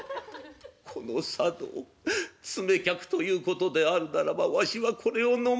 この茶道詰め客ということであるならばわしはこれを飲まねばならんのか。